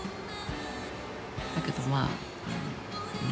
だけどまあね